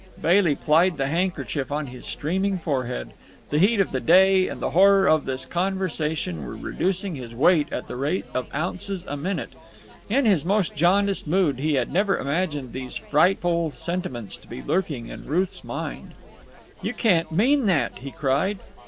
Bailey plied the handkerchief on his streaming forehead. The heat of the day and the horror of this conversation were reducing his weight at the rate of ounces a minute. In his most jaundiced mood he had never imagined these frightful sentiments to be lurking in Ruth's mind. "You can't mean that!" he cried.